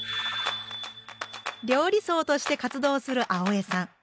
料理僧として活動する青江さん。